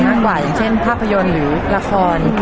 กว่าอย่างเช่นภาพยนตร์หรือละคร